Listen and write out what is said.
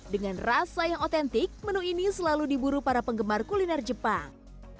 dengan rasa yang otentik menu ini selalu diburu para penggemar kuliner jepang